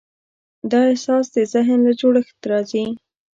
دا احساس د ذهن له جوړښت راځي.